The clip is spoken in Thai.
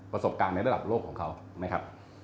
ประสบการณ์ในระดับโลกของเขานะครับ